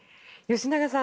吉永さん